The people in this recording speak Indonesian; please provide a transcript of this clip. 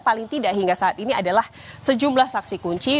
paling tidak hingga saat ini adalah sejumlah saksi kunci